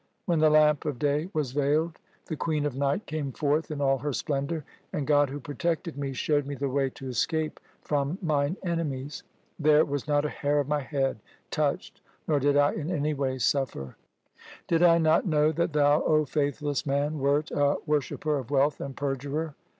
When the lamp of day was veiled, the queen of night came forth in all her splendour, and God who protected me showed me the way to escape from mine enemies. There was not a hair of my head touched, nor did I in any way suffer. ' Did I not know that thou, O faithless man, wert a wor shipper of wealth and perjurer